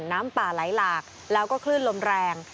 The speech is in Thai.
น้ำป่าไหลหลากแล้วก็คลื่นลมแรง